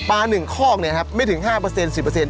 ปลาหนึ่งข้อกนี่ครับไม่ถึง๕เปอร์เซ็นต์๑๐เปอร์เซ็นต์